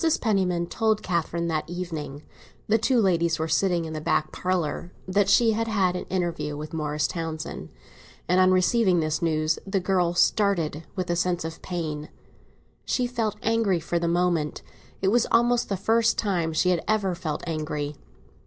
PENNIMAN told Catherine that evening—the two ladies were sitting in the back parlour—that she had had an interview with Morris Townsend; and on receiving this news the girl started with a sense of pain. She felt angry for the moment; it was almost the first time she had ever felt angry.